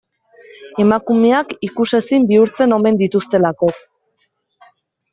Emakumeak ikusezin bihurtzen omen dituztelako.